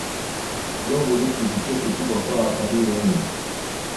blob ni kivutio kikubwa kwa watalii wengi